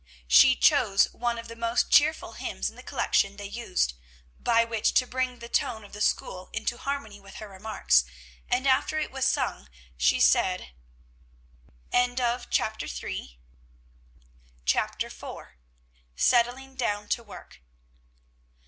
She chose one of the most cheerful hymns in the collection they used, by which to bring the tone of the school into harmony with her remarks; and, after it was sung, she said: CHAPTER IV. SETTLING DOWN TO WORK.